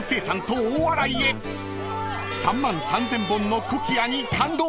［３万３，０００本のコキアに感動］